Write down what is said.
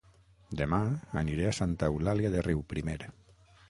Dema aniré a Santa Eulàlia de Riuprimer